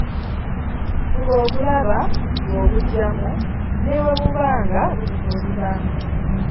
Fuba okulaba ng’obugyamu ne bwe buba nga bukukosa.